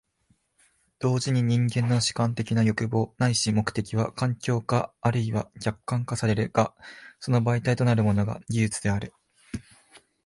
同時に人間の主観的な欲望ないし目的は環境化或いは客観化されるが、その媒介となるものが技術である。